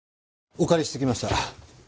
お借りしてきました。